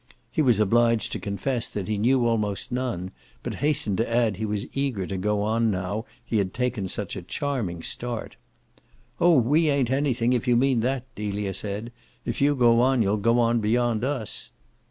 He was obliged to confess he knew almost none, but hastened to add he was eager to go on now he had taken such a charming start. "Oh we ain't anything if you mean that," Delia said. "If you go on you'll go on beyond us."